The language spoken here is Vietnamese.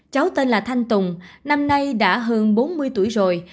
cháu tên là thanh tùng năm nay đã hơn bốn mươi tuổi rồi